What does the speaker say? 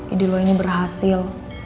ide lo ini berhasil